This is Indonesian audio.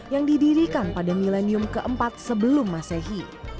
yang didirikan pada milenium keempat sebelum masehi